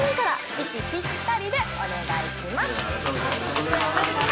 息ぴったりでお願いします。